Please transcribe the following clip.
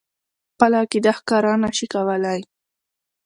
خپله عقیده ښکاره نه شي کولای.